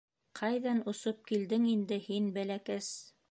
— Ҡайҙан осоп килдең инде һин, бәләкәс?